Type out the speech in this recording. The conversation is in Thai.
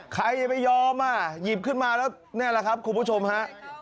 ใครจะไปยอมอ่ะหยิบขึ้นมาแล้วนี่แหละครับคุณผู้ชมฮะ